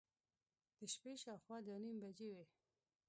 د شپې شاوخوا دوه نیمې بجې وې.